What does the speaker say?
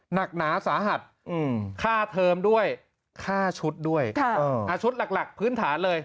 หนักหนาสาหัสค่าเทอมด้วยค่าชุดด้วยชุดหลักพื้นฐานเลย